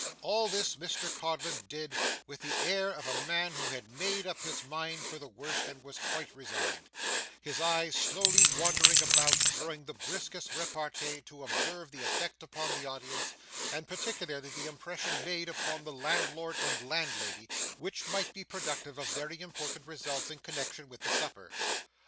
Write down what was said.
All this Mr Codlin did with the air of a man who had made up his mind for the worst and was quite resigned; his eye slowly wandering about during the briskest repartee to observe the effect upon the audience, and particularly the impression made upon the landlord and landlady, which might be productive of very important results in connexion with the supper.